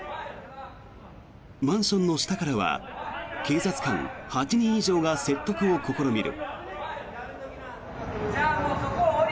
マンションの下からは警察官８人以上が説得を試みる。